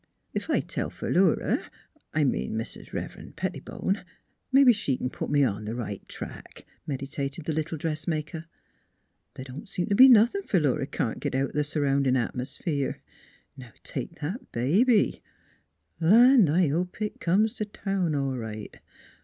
"Ef I tell Philura I mean Mis' Rev'ren' Pettibone mebbe she c'n put me on th' right track," meditated the little dressmaker. ' Th' don't seem t' be nothin' Philura can't git out th' surroundin' atmosphere. Now take that baby Land! I hope it comes t' town all right.